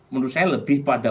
menurut saya lebih pada